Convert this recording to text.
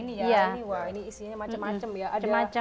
ini isinya macam macam ya